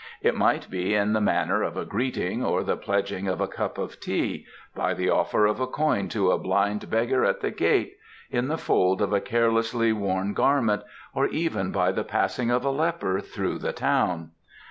It might be in the manner of a greeting or the pledging of a cup of tea, by the offer of a coin to a blind beggar at the gate, in the fold of a carelessly worn garment, or even by the passing of a leper through a town.